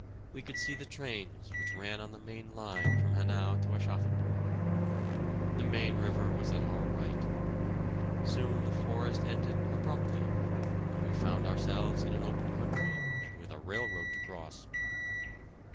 We could see the trains which ran on the main line from Hanau to Aschaffenburg. The Main River was at our right. Soon the forest ended abruptly, and we found ourselves in an open country, and with a railroad to cross.